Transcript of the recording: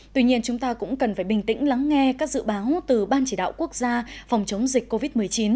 tuy nhiên chúng ta cũng cần phải bình tĩnh lắng nghe các dự báo từ ban chỉ đạo quốc gia phòng chống dịch covid một mươi chín